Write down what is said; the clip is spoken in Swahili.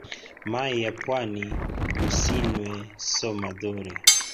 Mai a pwani usinwe so madhuri